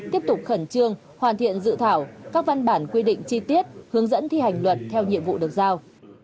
tiếp tục khẩn trương hoàn thiện dự thảo các văn bản quy định chi tiết hướng dẫn thi hành luật theo nhiệm vụ được giao